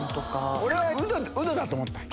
俺はウドだと思った。